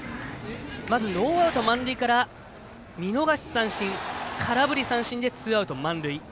ノーアウト満塁から見逃し三振空振り三振でツーアウト、満塁。